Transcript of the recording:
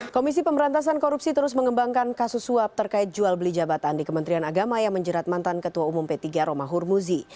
komisi pemberantasan korupsi terus mengembangkan kasus suap terkait jual beli jabatan di kementerian agama yang menjerat mantan ketua umum p tiga romahur muzi